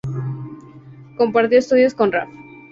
Compartió estudio con Raf.